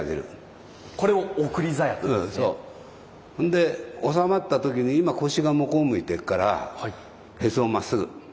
で納まった時に今腰が向こう向いてっからへそをまっすぐ。